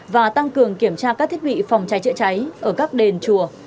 và tăng cường kiểm tra các thiết bị phòng cháy chữa cháy ở các đền chùa